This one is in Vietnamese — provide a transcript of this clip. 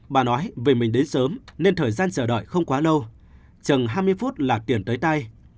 bà nói về mình đến sớm nên thời gian chờ đợi không quá lâu chừng hai mươi phút là tiền tới tay